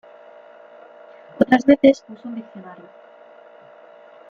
Otras veces uso un diccionario.